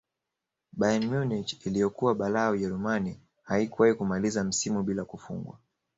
bayern munich iliyokuwa balaa ujerumani haikuwahi kumaliza msimu bila kufungwa